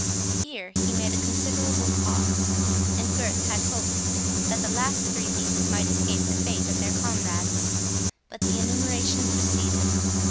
Here he made a considerable pause, and Gurth had good hope that the last three pieces might escape the fate of their comrades; but the enumeration proceeded.